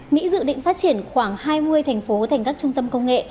mỹ dự định phát triển khoảng hai mươi thành phố thành các trung tâm công nghệ